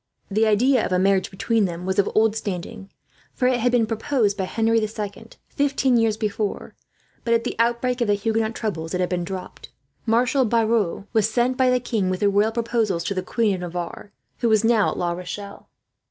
The idea of a marriage between them was of old standing, for it had been proposed by Henry the Second, fifteen years before; but at the outbreak of the Huguenot troubles it had been dropped. Marshal Biron was sent by the king with the royal proposals to the Queen of Navarre, who was now at La Rochelle.